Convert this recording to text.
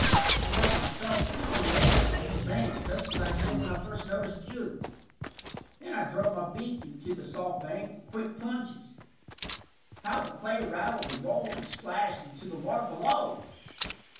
I held myself still in the air before the bank just as I did when I first noticed you. Then I drove my beak into the soft bank with quick plunges. How the clay rattled and rolled and splashed into the water below!